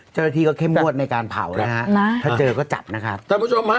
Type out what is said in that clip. เจ้าหน้าที่ก็เข้มงวดในการเผานะฮะถ้าเจอก็จับนะครับท่านผู้ชมฮะ